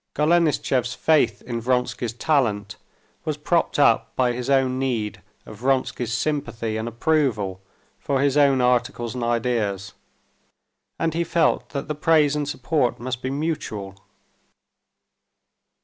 Golenishtchev's faith in Vronsky's talent was propped up by his own need of Vronsky's sympathy and approval for his own articles and ideas, and he felt that the praise and support must be mutual.